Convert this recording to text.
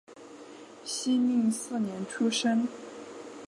熙宁四年出生。